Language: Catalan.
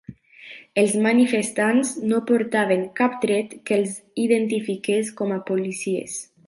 Els manifestants no portaven cap tret que els identifiqués com a policies.